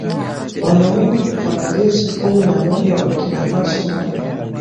wamewaua wanajeshi kumi na moja wa Burkina Faso na